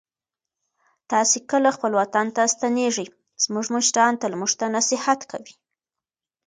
تاسې کله خپل وطن ته ستنېږئ؟ زموږ مشران تل موږ ته نصیحت کوي.